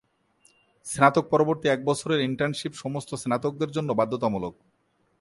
স্নাতক পরবর্তী এক বছরের ইন্টার্নশিপ সমস্ত স্নাতকদের জন্য বাধ্যতামূলক।